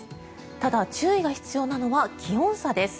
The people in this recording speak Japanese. ただ、注意が必要なのは気温差です。